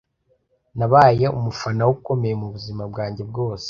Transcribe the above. Nabaye umufana we ukomeye mubuzima bwanjye bwose